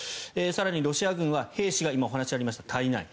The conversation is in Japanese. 更にロシア軍は兵士が今お話にありました、足りない。